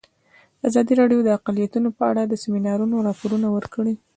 ازادي راډیو د اقلیتونه په اړه د سیمینارونو راپورونه ورکړي.